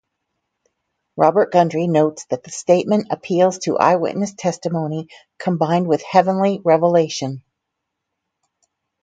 Robert Gundry notes that the statement appeals to eyewitness testimony combined with heavenly revelation.